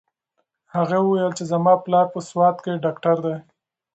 هغې وویل چې زما پلار په سوات کې ډاکټر دی.